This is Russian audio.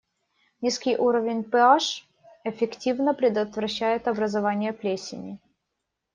Низкий уровень pH (пэ-аш) эффективно предотвращает образование плесени.